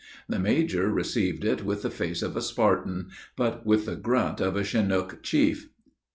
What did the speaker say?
The major received it with the face of a Spartan, but with the grunt of a Chinook chief.